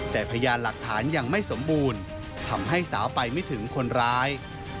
แต่พยานหลักฐานยังไม่สมบูรณ์ทำให้สาวไปไม่ถึงคนร้าย